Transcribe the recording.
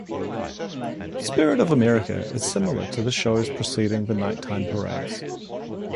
"Spirit of America" is similar to the shows preceding the nighttime parades.